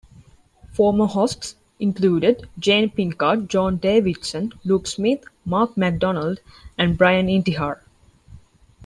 Former hosts included Jane Pinckard, John Davison, Luke Smith, Mark MacDonald and Bryan Intihar.